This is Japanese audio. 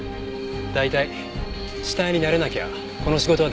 大体死体に慣れなきゃこの仕事は出来ませんよ。